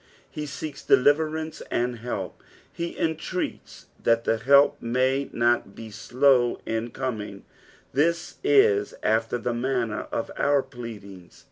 He seeks deliverance and help ; and he entreats that the help may not be slow in coming ; this is after the manner of our pleadings.